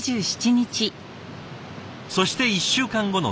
そして１週間後の土曜日。